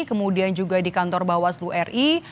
kemudian juga di kantor bawah seluruh ri